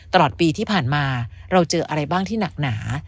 ตลอดปีที่ผ่านมาเราเจออะไรบ้างที่หนักหนา